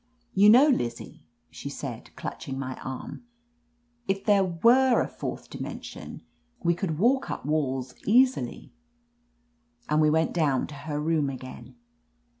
"You know, Lizzie," she said, clutching my arm, "if there were a fourth dimension, we could walk up walls easily." And we went down to her room again.